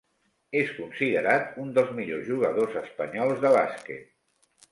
És considerat un dels millors jugadors espanyols de bàsquet.